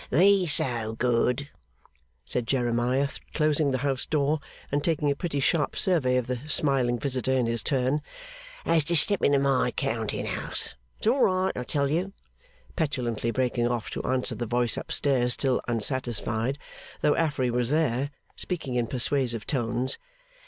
'Be so good,' said Jeremiah, closing the house door, and taking a pretty sharp survey of the smiling visitor in his turn, 'as to step into my counting house. It's all right, I tell you!' petulantly breaking off to answer the voice up stairs, still unsatisfied, though Affery was there, speaking in persuasive tones.